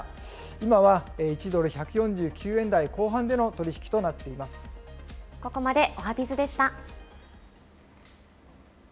今は１ドル１４９円台後半での取ここまでおはＢｉｚでした。